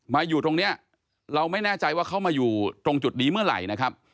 อยู่ตรงนี้เราไม่แน่ใจว่าเขามาอยู่ตรงจุดนี้เมื่อไหร่นะครับ